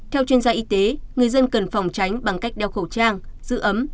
theo chuyên gia y tế người dân cần phòng tránh bằng cách đeo khẩu trang giữ ấm